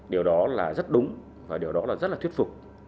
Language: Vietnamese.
điều đó là rất đúng và điều đó là rất là thuyết phục